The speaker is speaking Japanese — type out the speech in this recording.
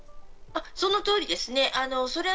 その通りですね。